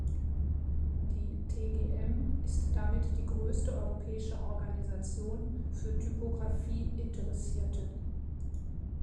Die tgm ist damit die größte europäische Organisation für Typografie-Interessierte.